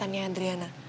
apa mantannya adriana